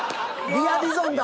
リア・ディゾンだ。